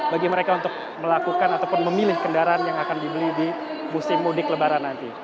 bagi mereka untuk melakukan ataupun memilih kendaraan yang akan dibeli di musim mudik lebaran nanti